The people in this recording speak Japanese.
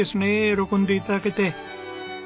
喜んで頂けて。